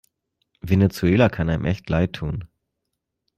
Venezuela kann einem echt leid tun.